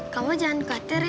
kamu jangan khawatir ya